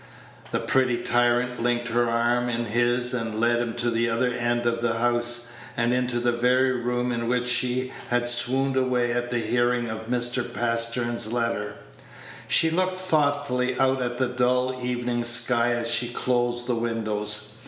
The pretty tyrant linked her arm in his, and led him to the other end of the house, and into the very room in which she had swooned away at the hearing of Mr. Pastern's letter. She looked thoughtfully out at the dull evening sky as she closed the windows.